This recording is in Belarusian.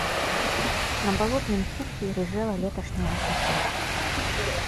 На балотным куп'і рыжэла леташняя асака.